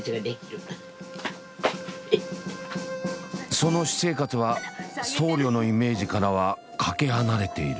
その私生活は僧侶のイメージからはかけ離れている。